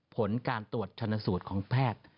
ผลการตรวจชนสูตรของแพทย์